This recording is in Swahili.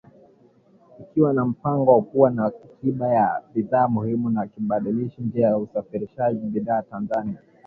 Ikiwa na mpango wa kuwa na akiba ya bidhaa muhimu na kubadilisha njia ya usafarishaji bidhaa Tanzania